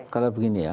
kalau begini ya